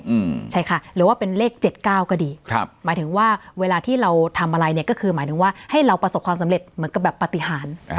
อืมใช่ค่ะหรือว่าเป็นเลขเจ็ดเก้าก็ดีครับหมายถึงว่าเวลาที่เราทำอะไรเนี่ยก็คือหมายถึงว่าให้เราประสบความสำเร็จเหมือนกับแบบปฏิหารอ่า